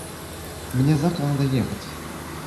Мне завтра надо ехать.